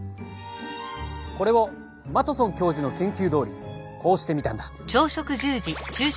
これをマトソン教授の研究どおりこうしてみたんだ。